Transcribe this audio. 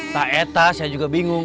tak etas saya juga bingung